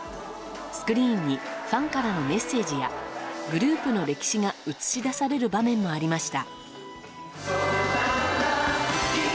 スクリーンにファンからのメッセージやグループの歴史が映し出される場面もありました。